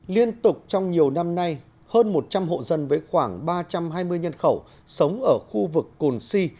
liên tục trong nhiều năm nay hơn một trăm linh hộ dân với khoảng ba trăm hai mươi nhân khẩu sống ở khu vực cồn si